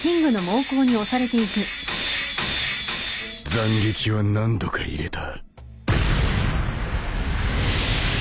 斬撃は何度か入れた